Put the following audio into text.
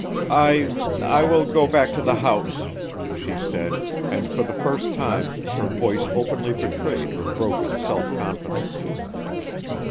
"I I will go back to the house," she said, and for the first time her voice openly betrayed her broken self confidence.